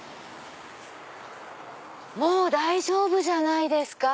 もう大丈夫じゃないですか？